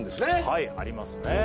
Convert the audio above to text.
はいありますね